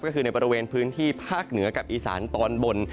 ก็คือในบริเวณพื้นที่ภาคเหนือกับอีสานตอนบน